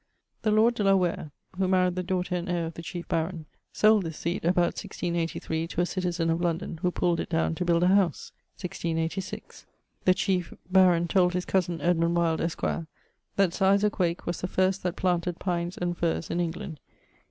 The lord de la Ware, who maried the daughter and heire of the chiefe baron, sold this seat about 1683 to a citizen of London, who pulled it downe to build a house (1686). The Chief Baron told his cosen Edmund Wyld, esq., that Sir Isaac Wake was the first that planted pines and firres in England.